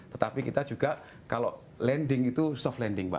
tetapi kita juga kalau landing itu soft landing pak